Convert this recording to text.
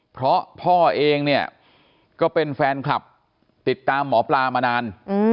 เพราะพ่อเองเนี่ยก็เป็นแฟนคลับติดตามหมอปลามานาน